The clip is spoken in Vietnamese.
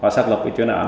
và xác lập chuyên án